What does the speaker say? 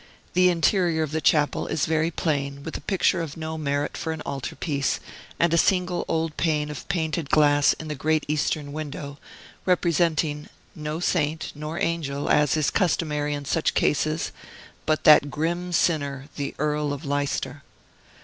The interior of the chapel is very plain, with a picture of no merit for an altar piece, and a single old pane of painted glass in the great eastern window, representing, no saint, nor angel, as is customary in such cases, but that grim sinner, the Earl of Leicester.